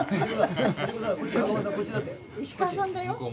石川さんだよ。